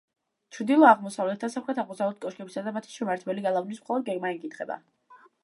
ჩრდილო-აღმოსავლეთ და სამხრეთ-აღმოსავლეთ კოშკებისა და მათი შემაერთებელი გალავნის მხოლოდ გეგმა იკითხება.